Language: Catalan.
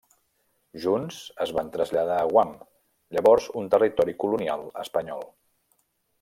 Junts, es van traslladar a Guam, llavors un territori colonial espanyol.